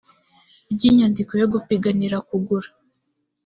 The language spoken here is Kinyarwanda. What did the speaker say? ry inyandiko yo gupiganira kugura